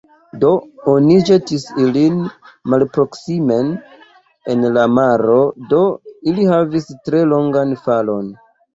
Do, oni ĵetis ilin malproksimen en la maro; do ili havis tre longan falon.